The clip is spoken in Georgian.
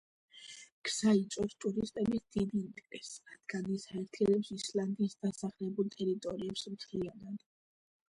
გზა იწვევს ტურისტების დიდ ინტერესს, რადგანაც ის აერთიანებს ისლანდიის დასახლებულ ტერიტორიებს მთლიანად.